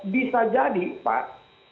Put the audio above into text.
bisa jadi pak